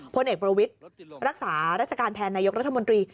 พลเอกประวิทย์รักษาราชการแทนนายกรัฐมนตรี